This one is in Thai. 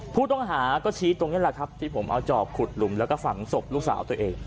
ผู้ต้องหาก็ชี้ตรงนี้แหละครับที่ผมเอาจอบขุดหลุมแล้วก็ฝังศพลูกสาวตัวเอง